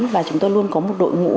và chúng tôi luôn có một đội ngũ